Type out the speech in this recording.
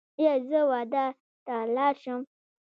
ایا زه واده ته لاړ شم؟